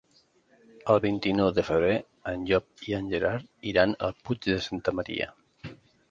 El vint-i-nou de febrer en Llop i en Gerard iran al Puig de Santa Maria.